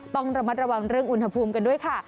ต้องระมัดระวังเรื่องอุณหภูมิกันด้วยค่ะ